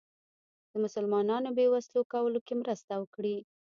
د مسلمانانو بې وسلو کولو کې مرسته وکړي.